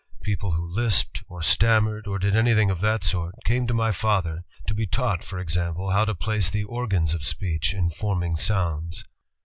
People who lisped, or stammered, or did anything of that sort, came to my father, to be taught, for example, how to place the organs of speech in forming sounds.